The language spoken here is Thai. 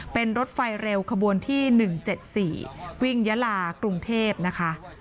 เป็นรถไฟเร็วขบวนที่๑๗๔วิ่งยาลากรุงเทพนะคะ